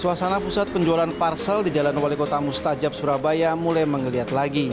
suasana pusat penjualan parsel di jalan wali kota mustajab surabaya mulai mengeliat lagi